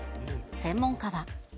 専門家は。